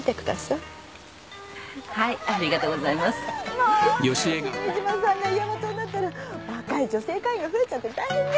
・もう君島さんが家元になったら若い女性会員が増えちゃって大変ね。